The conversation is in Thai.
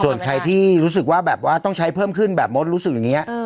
ส่วนใครที่รู้สึกว่าแบบว่าต้องใช้เพิ่มขึ้นแบบมดรู้สึกอย่างนี้